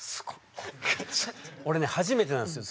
俺ね初めてなんですよ。